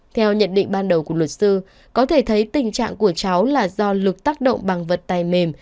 theo nhận định ban đầu của luật sư có thể thấy tình trạng của cháu là do lực tác động bằng vật tay mềm